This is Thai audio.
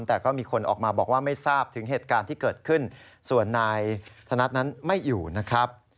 แต่ก็มีคนออกมาบอกว่าไม่ทราบถึงเหตุการณ์ที่เกิดขึ้นส่วนนายธนัดนั้นไม่อยู่นะครับ